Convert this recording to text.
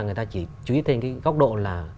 người ta chỉ chú ý tới cái góc độ là